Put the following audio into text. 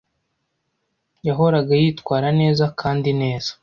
Yahoraga yitwara neza kandi neza.